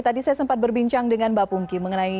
tadi saya sempat berbincang dengan mbak pungki mengenai